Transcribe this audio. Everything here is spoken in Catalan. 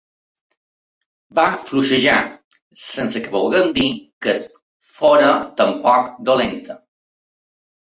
Va fluixejar, sense que vulguem dir que fóra tampoc dolenta.